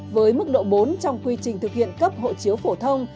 với mức độ bốn trong quy trình thực hiện cấp hộ chiếu phổ thông